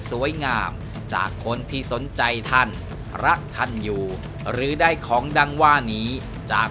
สวยงามจากคนที่สนใจท่านรักท่านอยู่หรือได้ของดังว่านี้จาก